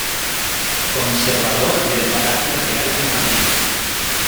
Conservador del Palacio Real de Madrid.